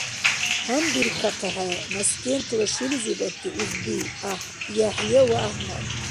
ГьанбиркахъехӀе Наскентла шилизибадти узби ЯхӀъя ва ГӀяхӀмад.